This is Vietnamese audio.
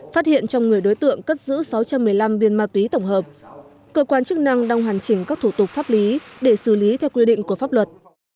phát hiện trong người đối tượng cất giữ sáu trăm một mươi năm viên ma túy tổng hợp cơ quan chức năng đang hoàn chỉnh các thủ tục pháp lý để xử lý theo quy định của pháp luật